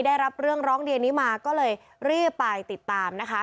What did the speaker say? ได้รับเรื่องร้องเรียนนี้มาก็เลยรีบไปติดตามนะคะ